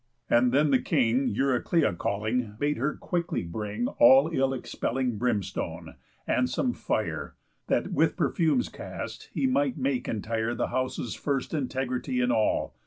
And then the King Euryclea calling, bade her quickly bring All ill expelling brimstone, and some fire, That with perfumes cast he might make entire The house's first integrity in all.